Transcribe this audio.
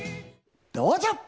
どうぞ！